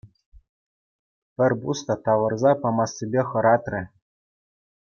Пӗр пус та тавӑрса памассипе хӑратрӗ.